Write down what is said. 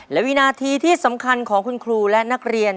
และวินาทีที่สำคัญของคุณครูและนักเรียน